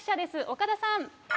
岡田さん。